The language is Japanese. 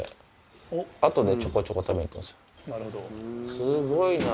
すごいな！